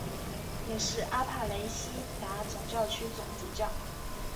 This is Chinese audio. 也是阿帕雷西达总教区总主教。